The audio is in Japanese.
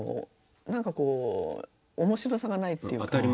何かこう面白さがないっていうか。